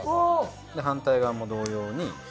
で反対側も同様に。